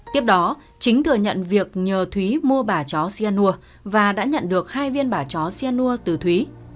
tiếp đó chính thừa nhận việc nhờ thúy mua bả chó sianua và đã nhận được hai viên bả chó sianua từ thúy